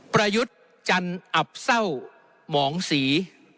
ประยุทธ์จันอับเศร้าหมองศรี